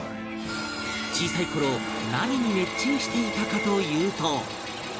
小さい頃何に熱中していたかというと